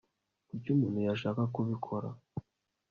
Kuki umuntu yashaka kubikora